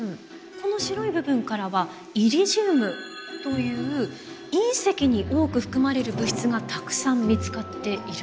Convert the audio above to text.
この白い部分からはイリジウムという隕石に多く含まれる物質がたくさん見つかっているんですね。